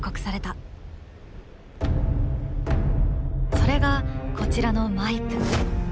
それがこちらのマイプ。